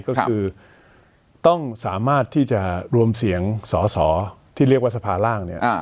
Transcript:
ก็คือต้องสามารถที่จะรวมเสียงสอสอที่เรียกว่าสภาร่างเนี่ย